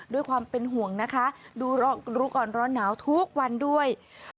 ด้วยความเป็นห่วงนะคะดูก่อนร้อนหนาวทุกวันด้วย